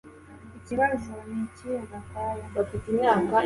Ikibazo nikihe Gakwaya